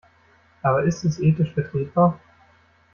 Aber ist es ethisch vertretbar?